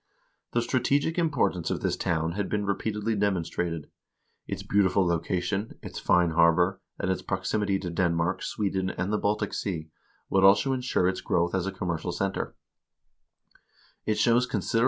The strategic importance of this town had been repeatedly demonstrated; its beautiful location, its fine harbor, and its prox imity to Denmark, Sweden, and the Baltic Sea would also insure its growth as a commercial center.